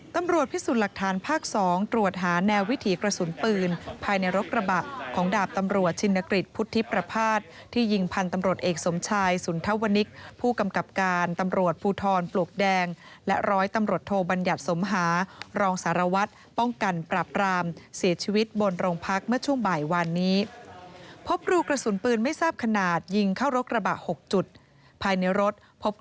ตำรวจพิสูจน์หลักฐานภาค๒ตรวจหาแนววิถีกระสุนปืนภายในรกกระบะของดาบตำรวจชินกฤทธิ์พุทธิประภาสที่ยิงพันธ์ตำรวจเอกสมชายสุนทะวนิกผู้กำกับการตำรวจผู้ทอนปลูกแดงและร้อยตำรวจโทบัญญัติสมหารองสารวัตรป้องกันปรับรามเสียชีวิตบนโรงพักเมื่อช่วงบ่ายว